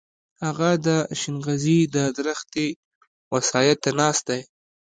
هغه د شينغزي د درختې و سايه ته ناست دی.